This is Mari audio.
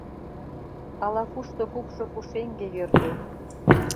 Ала-кушто кукшо пушеҥге йӧрльӧ.